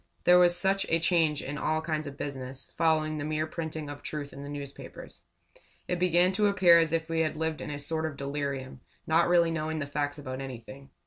There was such a change in all kinds of business, following the mere printing of truth in the newspapers. It began to appear as if we had lived in a sort of delirium not really knowing the facts about anything.